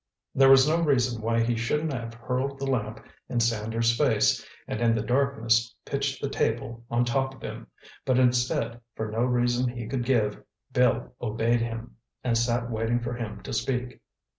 There was no reason why he shouldn't have hurled the lamp in Sanders' face, and in the darkness, pitched the table on top of him. But instead, for no reason he could give, Bill obeyed him, and sat waiting for him to speak.